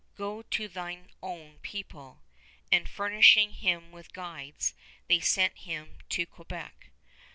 Go to thine own people"; and furnishing him with guides, they sent him to Quebec.